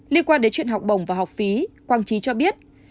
liên quan đến chuyện học bổng và học phí quang trí cho biết